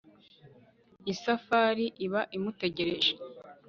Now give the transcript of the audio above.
iyi safari iba imutegereje